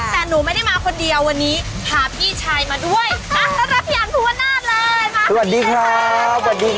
แต่หนูไม่ได้มาคนเดียว